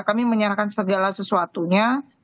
kami menyerahkan segala sesuatunya